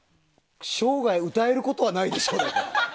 生涯歌えることはないでしょうだよ。